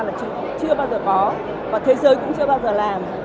là chúng chưa bao giờ có và thế giới cũng chưa bao giờ làm